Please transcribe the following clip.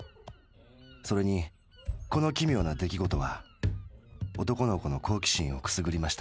それにこの奇妙な出来事は男の子の好奇心をくすぐりました。